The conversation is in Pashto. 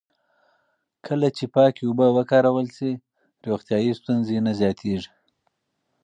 کله چې پاکې اوبه وکارول شي، روغتیایي ستونزې نه زیاتېږي.